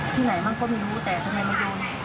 ที่ไหนมันก็ไม่รู้แต่มันไม่โดน